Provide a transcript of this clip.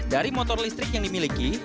dari motor listrik yang dimiliki